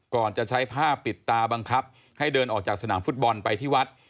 ก่อนจะใช้ผ้าปิดตาบังคับให้เดินออกจากสนามฟุตบอลไปที่วัด